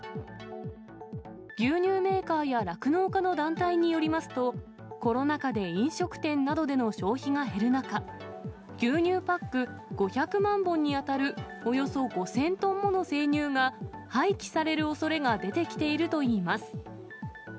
牛乳メーカーや酪農家の団体によりますと、コロナ禍で飲食店などでの消費が減る中、牛乳パック５００万本に当たるおよそ５０００トンもの生乳が、廃棄されるおそれが出てきているといいます。